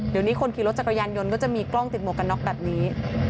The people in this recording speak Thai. เดี๋ยวนี้คนขี่รถจักรยานยนต์ก็จะมีกล้องติดหมวกกันน็อกแบบนี้